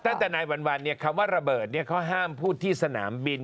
ตั้งแต่นายวันวันเนี่ยคำว่าระเบิดเนี่ยเขาห้ามพูดที่สนามบิน